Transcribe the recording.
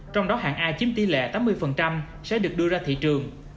trong đó hạng a chiếm tỷ lệ tám mươi sẽ được đưa ra thị trường